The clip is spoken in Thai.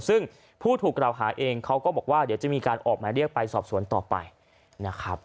ซึ่งผู้ถูกกล่าวหาเองเขาก็บอกว่าเดี๋ยวจะมีการออกหมายเรียกไปสอบสวนต่อไปนะครับ